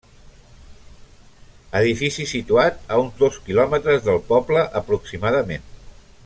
Edifici situat a uns dos quilòmetres del poble aproximadament.